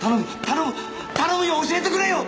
頼む頼むよ教えてくれよ！